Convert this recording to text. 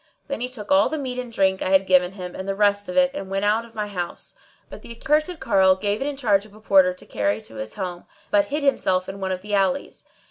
Then he took all the meat and drink I had given him and the rest of it and went out of my house; but the accursed carle gave it in charge of a porter to carry to his home but hid himself in one of the alleys.